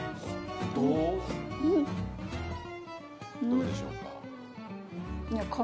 どうでしょうか？